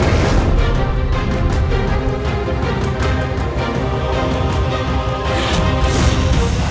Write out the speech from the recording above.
kau tidak bisa menang